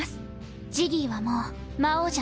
ジギーはもう魔王じゃない。